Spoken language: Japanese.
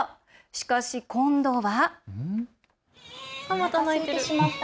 しかし今度は。